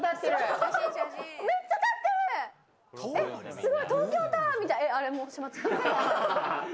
すごい、東京タワーみたい、あれしまっちゃった。